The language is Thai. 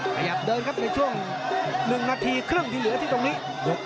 ขยับเดินครับในช่วง๑นาทีครึ่งที่เหลือที่ตรงนี้